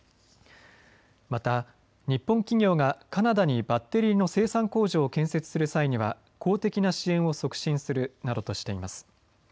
また日本企業がカナダにバッテリーの生産工場を建設する際には公的な支援を促進するなどとしています。